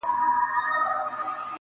راته شعرونه ښكاري.